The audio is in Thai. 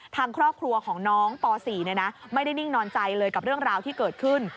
ทางครอบครัวของน้องป๔ไม่ได้นิ่งนอนใจเลยกับเรื่องราวที่เกิดขึ้น